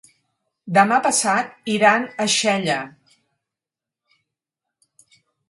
Demà passat iran a Xella.